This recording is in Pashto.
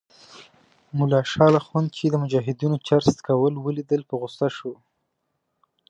ملا شال اخند چې د مجاهدینو چرس څکول ولیدل په غوسه شو.